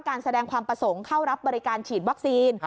การแสดงความประสงค์เข้ารับบริการฉีดวัคซีน